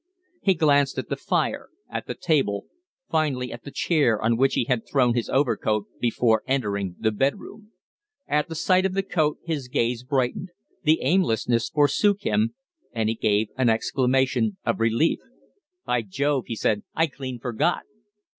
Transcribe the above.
He glanced at the fire, at the table, finally at the chair on which he had thrown his overcoat before entering the bedroom. At the sight of the coat his gaze brightened, the aimlessness forsook him, and he gave an exclamation of relief. "By Jove!" he said. "I clean forgot."